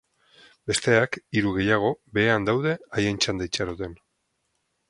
Besteak, hiru gehiago, behean daude haien txanda itxaroten.